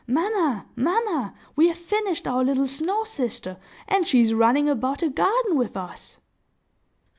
"Mamma! mamma! We have finished our little snow sister, and she is running about the garden with us!"